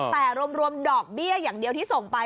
แต่รวมดอกเบี้ยอย่างเดียวที่ส่งไป